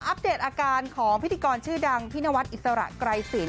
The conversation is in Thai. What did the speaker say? เดตอาการของพิธีกรชื่อดังพี่นวัดอิสระไกรศีล